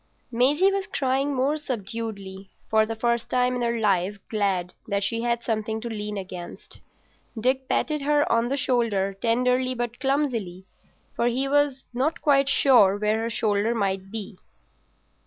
Maisie was crying more subduedly, for the first time in her life glad that she had something to lean against. Dick patted her on the shoulder tenderly but clumsily, for he was not quite sure where her shoulder might be.